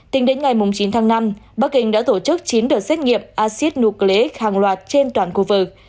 tính đến ngày chín tháng năm bắc kinh đã tổ chức chín đợt xét nghiệm acid nucleic hàng loạt trên toàn khu vực